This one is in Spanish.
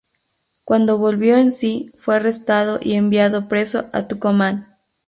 Cuando volvió en sí fue arrestado y enviado preso a Tucumán.